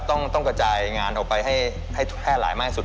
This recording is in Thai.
ต้องกระจายงานออกไปให้แพร่หลายมากที่สุด